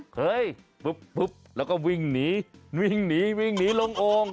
เฮ้ยปุ๊บแล้วก็วิ่งหนีวิ่งหนีวิ่งหนีลงโอ่ง